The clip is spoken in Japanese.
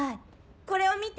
これを見て。